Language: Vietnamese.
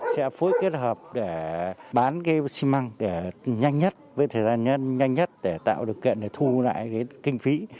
sẽ phối kết hợp để bán cái xi măng để nhanh nhất với thời gian nhanh nhất để tạo được kiện để thu lại cái kinh phí